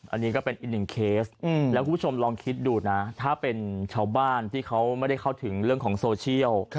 อันนี้ก็เป็นอีกหนึ่งเคสแล้วคุณผู้ชมลองคิดดูนะถ้าเป็นชาวบ้านที่เขาไม่ได้เข้าถึงเรื่องของโซเชียล